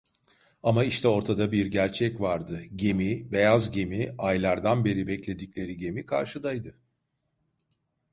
Ama işte ortada bir gerçek vardı: Gemi, beyaz gemi, aylardan beri bekledikleri gemi karşıdaydı.